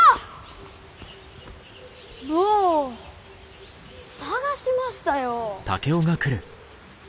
坊捜しましたよ！